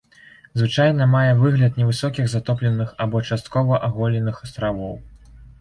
Звычайна мае выгляд невысокіх затопленых або часткова аголеных астравоў.